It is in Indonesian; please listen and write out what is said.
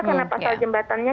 karena pasal jembatannya